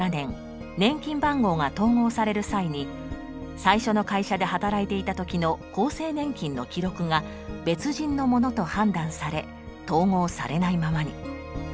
年金番号が統合される際に最初の会社で働いていた時の厚生年金の記録が別人のものと判断され統合されないままに。